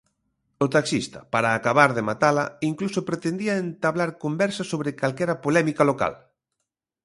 O taxista, para acabar de matala, incluso pretendía entablar conversa sobre calquera polémica local.